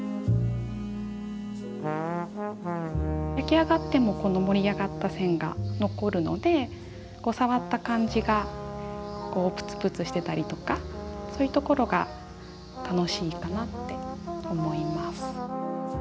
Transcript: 焼き上がってもこの盛り上がった線が残るので触った感じがプツプツしてたりとかそういうところが楽しいかなって思います。